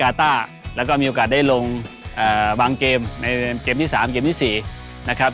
เช่นการ์ต้าแล้วก็มีโอกาสได้ลงบางเกมไม่เกมที่๓เกมที่๔นะครับ